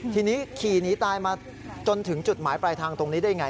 ทีนี้ขี่หนีตายมาจนถึงจุดหมายปลายทางตรงนี้ได้ยังไง